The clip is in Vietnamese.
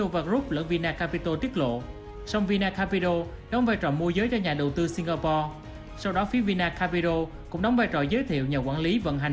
và tiếp theo xin mời quý vị và các bạn